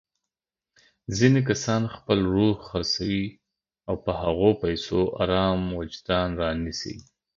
ځيني کسان خپل روح خرڅوي او په هغو پيسو ارام وجدان رانيسي.